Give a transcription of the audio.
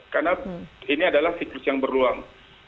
karena ini adalah siklus yang berluang